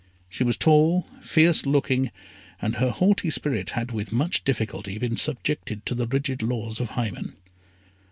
She was tall, fierce looking, and her haughty spirit had with much difficulty been subjected to the rigid laws of Hymen.